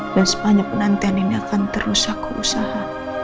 dan semuanya penantian ini akan terus aku usaha